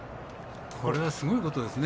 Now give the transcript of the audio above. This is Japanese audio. これはすごいことですね。